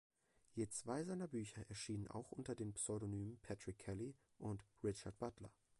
Je zwei seiner Bücher erschienen auch unter den Pseudonymen "Patrick Kelly" und "Richard Butler".